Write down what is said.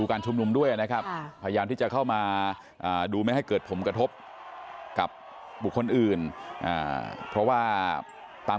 ประชาภิกษาไตรโดดเจ้าไตร